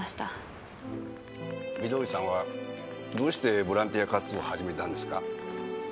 みどりさんはどうしてボランティア活動を始めたんですか？